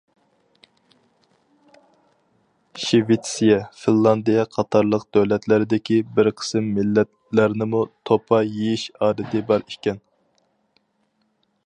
شىۋېتسىيە، فىنلاندىيە قاتارلىق دۆلەتلەردىكى بىر قىسىم مىللەتلەرنىمۇ توپا يېيىش ئادىتى بار ئىكەن.